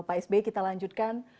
pak s b kita lanjutkan